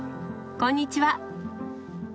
こんにちは。